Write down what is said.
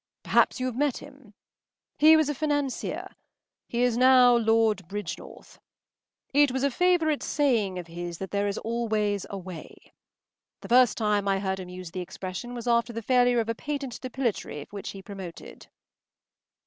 Perhaps you have met him? He was a financier. He is now Lord Bridgnorth. It was a favourite saying of his that there is always a way. The first time I heard him use the expression was after the failure of a patent depilatory which he promoted.